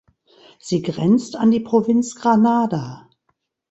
Sie grenzt an die Provinz Granada.